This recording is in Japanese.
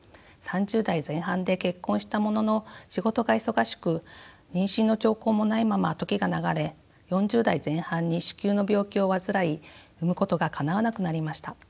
３０代前半で結婚したものの仕事が忙しく妊娠の兆候もないまま時が流れ４０代前半に子宮の病気を患い産むことがかなわなくなりました。